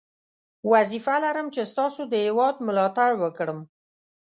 وظیفه لرم چې ستاسو د هیواد ملاتړ وکړم.